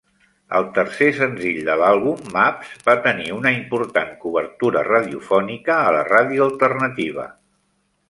El tercer senzill de l'àlbum, "Maps," va tenir una important cobertura radiofònica a la ràdio alternativa.